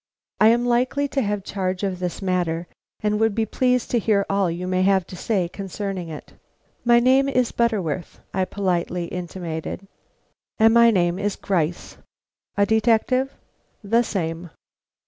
I am likely to have charge of this matter, and would be pleased to hear all you may have to say concerning it." "My name is Butterworth," I politely intimated. "And my name is Gryce." "A detective?" "The same."